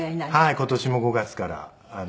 今年も５月から。